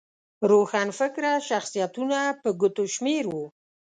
روښانفکره شخصیتونه په ګوتو شمېر وو.